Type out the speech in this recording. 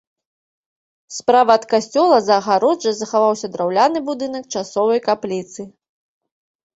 Справа ад касцёла, за агароджай, захаваўся драўляны будынак часовай капліцы.